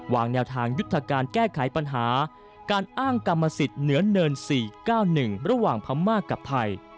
แนวทางยุทธการแก้ไขปัญหาการอ้างกรรมสิทธิ์เหนือเนิน๔๙๑ระหว่างพม่ากับไทย